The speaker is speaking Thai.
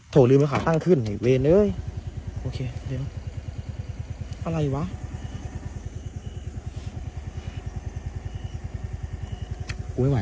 ลืมมาขาตั้งขึ้นนี่เวรเอ้ยโอเคเดี๋ยวอะไรวะ